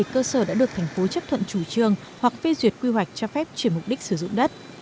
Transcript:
hai mươi bảy cơ sở đã được thành phố chấp thuận chủ trường hoặc phê duyệt quy hoạch cho phép chuyển mục đích sử dụng đất